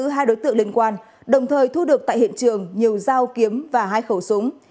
hai đối tượng liên quan đồng thời thu được tại hiện trường nhiều dao kiếm và hai khẩu súng